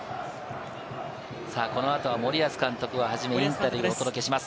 この後は森保監督をはじめ、インタビューをお届けします。